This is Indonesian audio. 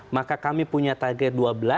maka kami punya target dua belas